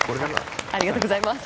ありがとうございます。